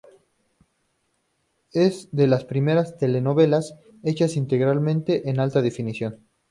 Es de las primeras telenovelas hecha íntegramente en Alta Definición.